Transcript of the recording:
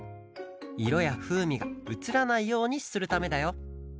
いろやふうみがうつらないようにするためだよ